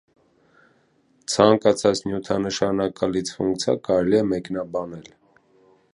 Ցանկացած նյութանշանակալից ֆունկցիա կարելի է մեկնաբանել, որպես մեկ ծավալային վեկտորական դաշտ։